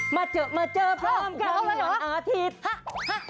มาเจ้อมาเจ้อพร้อมกลับมืออาทิตย์